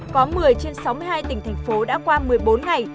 có một mươi trên sáu mươi hai tỉnh thành phố đã qua một mươi bốn ngày